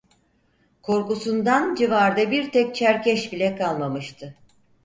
Korkusundan civarda bir tek Çerkeş bile kalmamıştı.